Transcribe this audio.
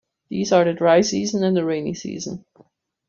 These are the dry season and the rainy season.